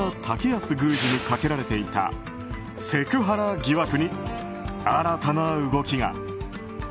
剛康宮司にかけられていたセクハラ疑惑に新たな動きが。